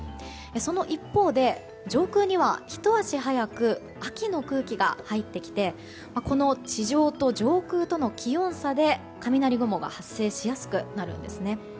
その一方で、上空にはひと足早く秋の空気が入ってきてこの地上と上空との気温差で雷雲が発生しやすくなるんですね。